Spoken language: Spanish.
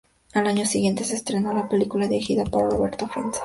Al año siguiente se estrenó la película dirigida por Roberto Faenza.